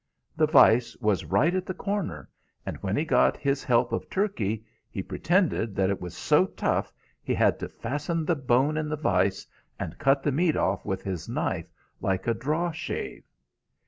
The vise was right at the corner, and when he got his help of turkey, he pretended that it was so tough he had to fasten the bone in the vise, and cut the meat off with his knife like a draw shave."